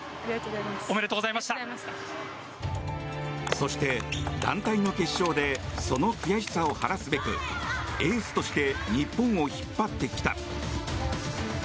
そして、団体の決勝でその悔しさを晴らすべくエースとして日本を引っ張ってきた。